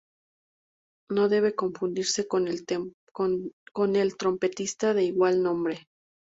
No debe confundirse con el trompetista de igual nombre.